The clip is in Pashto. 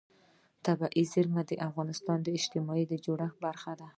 طبیعي زیرمې د افغانستان د اجتماعي جوړښت برخه ده.